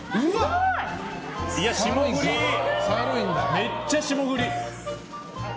めっちゃ霜降り！